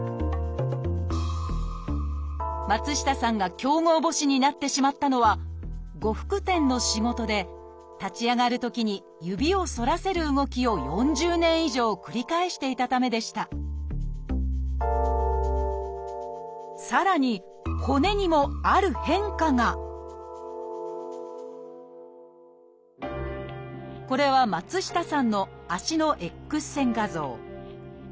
松下さんが強剛母趾になってしまったのは呉服店の仕事で立ち上がるときに指を反らせる動きを４０年以上繰り返していたためでしたさらに骨にもある変化がこれは松下さんの足のＸ線画像。